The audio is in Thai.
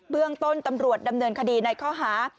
เรื่องต้นตำรวจดำเนินคดีในข้อหา